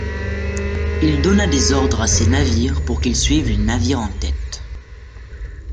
Il donna des ordres à ses navires pour qu'ils suivent les navires en tête.